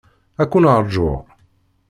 Ad ken-rǧuɣ.